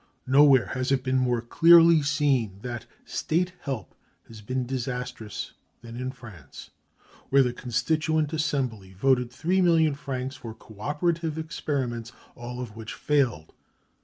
Nowhere has it been more clearly seen that state help has been disastrous than in France, where the Constituent Assembly voted 3,000,000 francs for co operative experiments, all of which failed.